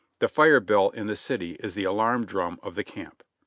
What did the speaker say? The fire bell in the city is the alarm drum of the camp.